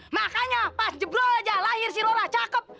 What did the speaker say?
makanya pas jeblol aja lahir si lora cakep